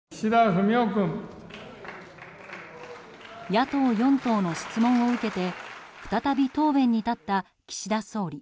野党４党の質問を受けて再び答弁に立った岸田総理。